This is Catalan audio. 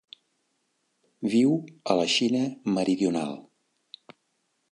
Viu a la Xina meridional.